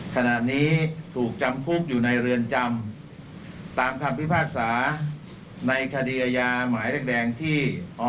ขณะนี้ถูกจำคุกอยู่ในเรือนจำตามคำพิพากษาในคดีอาญาหมายแรกแดงที่